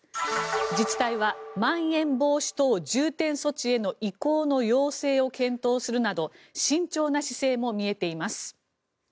自治体はまん延防止等重点措置への移行の要請を検討するなど慎重な姿勢も見えています。